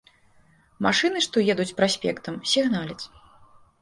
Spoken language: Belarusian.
Машыны, што едуць праспектам, сігналяць.